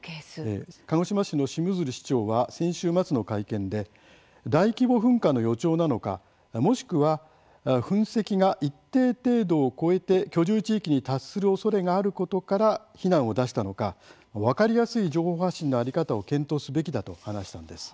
鹿児島市の下鶴市長は先週末の会見で大規模噴火の予兆なのかもしくは噴石が一定程度を超えて居住地域に達するおそれがあることから避難を出したのか分かりやすい情報発信の在り方を検討すべきだと話したんです。